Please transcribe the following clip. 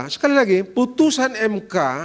sekali lagi putusan mk